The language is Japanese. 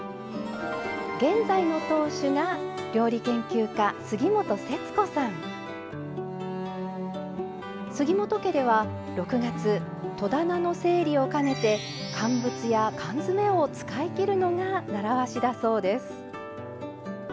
現在の当主が杉本家では６月戸棚の整理を兼ねて乾物や缶詰を使いきるのが習わしだそうです。